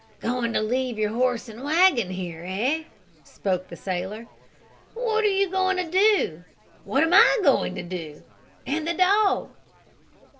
"Going to leave your horse and wagon here, eh?" spoke the sailor. "What are you going to do? What am I going to do and the dog?"